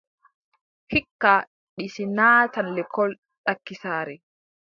Hikka, Disi naatan lekkol ɗaki saare.